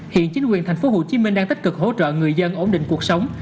hiện chính quyền thành phố hồ chí minh đang tích cực hỗ trợ người dân ổn định cuộc sống